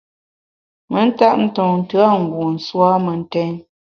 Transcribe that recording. Me ntap ntonte a ngu nsù a mentèn.